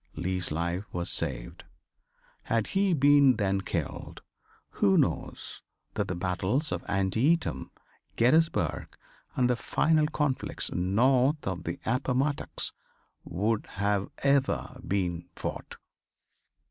Lee's life was saved. Had he been then killed who knows that the battles of Antietam, Gettysburg, and the final conflicts north of the Appomattox would have ever been fought?